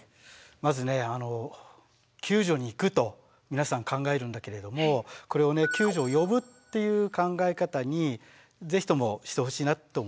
まず「救助に行く」と皆さん考えるんだけれどもこれを「救助を呼ぶ」っていう考え方にぜひともしてほしいなと思います。